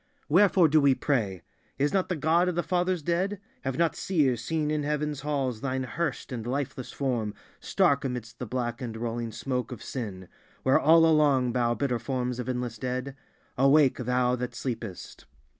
Wherefore do we pray? Is not the God of the fathers dead? Have not seers seen in Heaven's halls Thine hearsed and lifeless form stark amidst the black and rolling smoke of sin; where all along bow bitter forms of endless dead? Awake, Thou that sleepest!